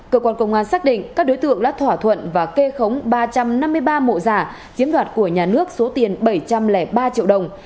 cơ quan công an xác định các đối tượng đã thỏa thuận và kê khống ba trăm năm mươi ba mộ giả chiếm đoạt của nhà nước số tiền bảy trăm linh ba triệu đồng